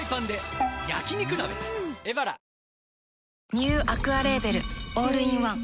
ニューアクアレーベルオールインワン